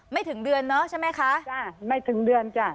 ถึงเดือนเนอะใช่ไหมคะจ้ะไม่ถึงเดือนจ้ะ